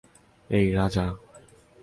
এই, রাজা।